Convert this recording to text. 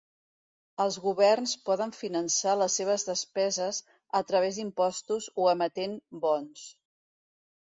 Els governs poden finançar les seves despeses a través d'impostos o emetent bons.